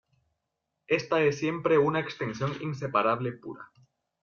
Esta es siempre una extensión inseparable pura.